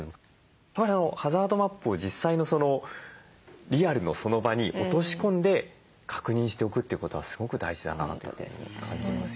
ハザードマップを実際のリアルのその場に落とし込んで確認しておくということはすごく大事だなと感じますよね。